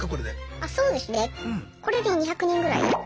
あそうですね。これで２００人ぐらい。